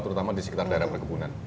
terutama di sekitar daerah perkebunan